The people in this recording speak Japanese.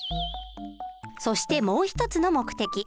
そしてもう一つの目的。